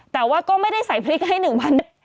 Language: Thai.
แต่ว่าก็ไม่ได้ใส่พริกให้หนึ่งวัน